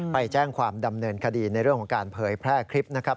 ไปแจ้งความดำเนินคดีในเรื่องของการเผยแพร่คลิปนะครับ